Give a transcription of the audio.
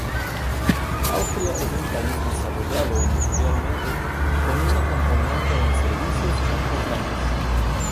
Austria es un país desarrollado industrialmente con una componente en servicios importante.